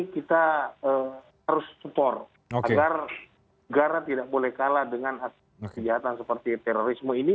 kita harus support agar negara tidak boleh kalah dengan kejahatan seperti terorisme ini